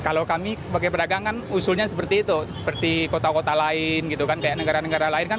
kalau kami sebagai pedagang kan usulnya seperti itu seperti kota kota lain gitu kan kayak negara negara lain kan